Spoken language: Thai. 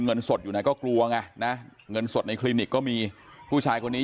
เงินสดอยู่ไหนก็กลัวไงนะเงินสดในคลินิกก็มีผู้ชายคนนี้